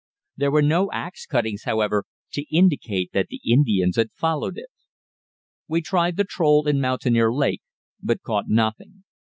There were no axe cuttings, however, to indicate that the Indians had followed it. We tried the troll in Mountaineer Lake, but caught nothing.